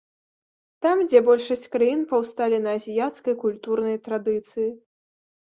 Там, дзе большасць краін паўсталі на азіяцкай культурнай традыцыі.